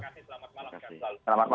terima kasih selamat malam